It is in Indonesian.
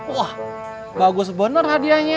wah bagus bener hadiahnya